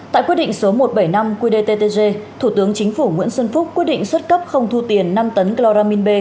tại quyết định số một trăm bảy mươi năm qdttg thủ tướng chính phủ nguyễn xuân phúc quyết định xuất cấp không thu tiền năm tấn chloramin b